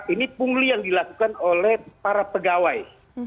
ini pungli yang dilakukan oleh para pegawai